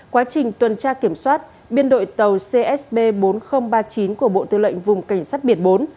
quá trình tuần tra kiểm soát biên đội tàu csb bốn nghìn ba mươi chín của bộ tư lệnh vùng cảnh sát biển bốn